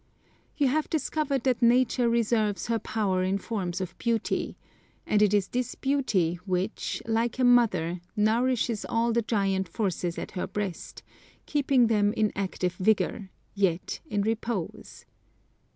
You have discovered that nature reserves her power in forms of beauty; and it is this beauty which, like a mother, nourishes all the giant forces at her breast, keeping them in active vigour, yet in repose.